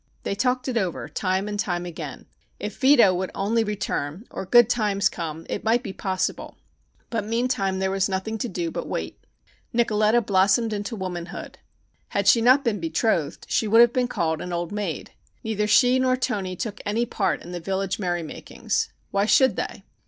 They talked it over time and time again. If Vito would only return or good times come it might be possible. But meantime there was nothing to do but wait. Nicoletta blossomed into womanhood. Had she not been betrothed she would have been called an old maid. Neither she nor Toni took any part in the village merrymakings. Why should they?